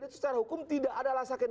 sudah tua sakit